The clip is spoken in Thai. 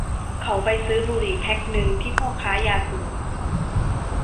เขาไปซื้อบุหรี่แพ็คนึงที่พ่อค้ายาสูบ